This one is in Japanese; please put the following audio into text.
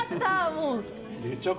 もう。